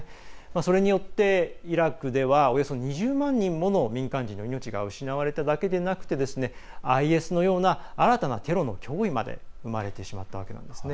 それによって、イラクではおよそ２０万人もの民間人の命が失われただけでなくてＩＳのような新たなテロの脅威まで生まれてしまったわけなんですね。